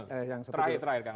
terakhir terakhir kang asep